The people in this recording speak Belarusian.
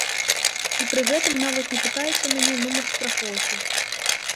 І пры гэтым нават не пытаецца ў мяне нумар страхоўкі.